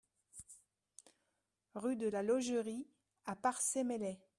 Rue de la Logerie à Parçay-Meslay